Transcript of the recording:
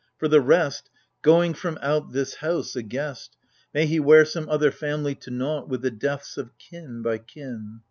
For the rest — Going from out this House, a guest. May he wear some other family To nought, with the deaths of kin by kin